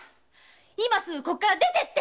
今すぐここから出てって‼